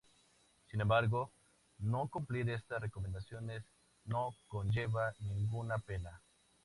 Sin embargo, no cumplir estas recomendaciones no conlleva ninguna pena.